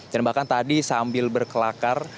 dan bahkan tadi sambil berkelakar